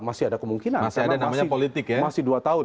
masih ada kemungkinan